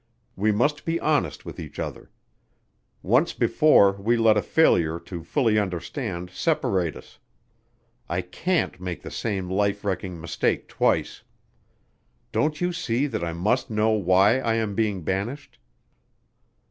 "We must be honest with each other. Once before we let a failure to fully understand separate us. I can't make the same life wrecking mistake twice. Don't you see that I must know why I am being banished?"